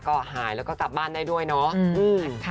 ก็หายแล้วก็กลับบ้านได้ด้วยเนาะ